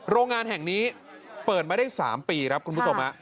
โรงงานแห่งนี้เปิดมาได้๓ปีครับคุณผู้ชม